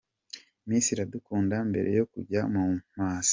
Miss Iradukunda mbere yo kujya mu mazi.